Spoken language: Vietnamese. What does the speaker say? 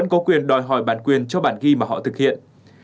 có quyền đòi hỏi bản quyền cho bản ghi mà họ thực hiện